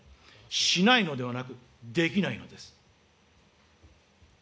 しないのではなく、できないのです。